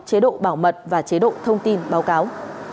chế độ bảo mật và chế độ thông tin báo cáo